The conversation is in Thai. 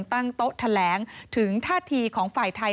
ตั้งโต๊ะแถลงถึงท่าทีของฝ่ายไทย